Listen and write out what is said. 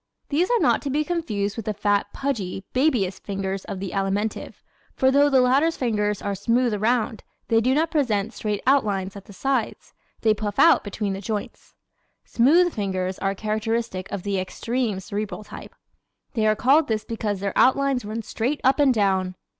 These are not to be confused with the fat, pudgy babyish fingers of the Alimentive, for though the latter's fingers are smooth around, they do not present straight outlines at the sides. They puff out between the joints. Smooth fingers are characteristic of the extreme Cerebral type. They are called this because their outlines run straight up and down.